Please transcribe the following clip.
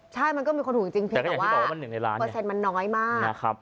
ใช่มันก็มีคนห่วงจริงแต่ว่าเปอร์เซ็นต์มันน้อยมาก